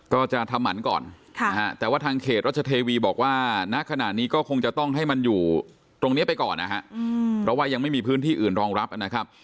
ก็จะทำหมันก่อนแต่ว่าทางเขตรัชเทวีบอกว่าณขณะนี้ก็คงจะต้องให้มันอยู่ตรงนี้ไปก่อนนะฮะเพราะว่ายังไม่มีพื้นที่อื่นรองรับนะครับ